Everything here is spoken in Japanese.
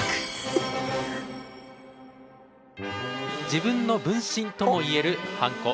自分の分身とも言えるハンコ。